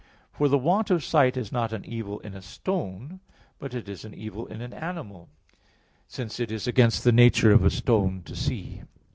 For the want of sight is not an evil in a stone, but it is an evil in an animal; since it is against the nature of a stone to see.